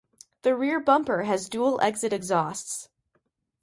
The rear bumper has dual exit exhausts.